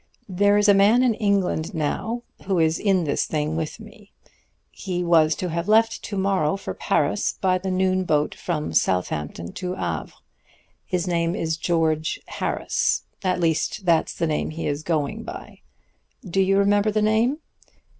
There is a man in England now who is in this thing with me. He was to have left to morrow for Paris by the noon boat from Southampton to Havre. His name is George Harris at least that's the name he is going by. Do you remember that name?'